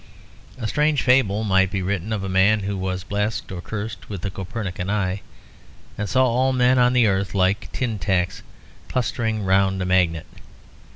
A strange fable might be written of a man who was blessed or cursed with the Copernican eye, and saw all men on the earth like tintacks clustering round a magnet.